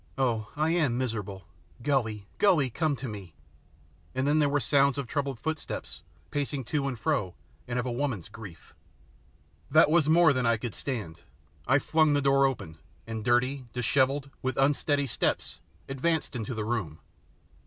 Oh, I am miserable. Gully! Gully! Come to me," and then there were sounds of troubled footsteps pacing to and fro and of a woman's grief. That was more than I could stand. I flung the door open, and, dirty, dishevelled, with unsteady steps, advanced into the room.